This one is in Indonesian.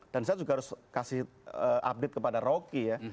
dan saya juga harus kasih update kepada rocky ya